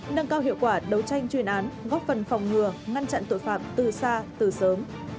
nâng cao hiệu quả đấu tranh chuyên án góp phần phòng ngừa ngăn chặn tội phạm từ xa từ sớm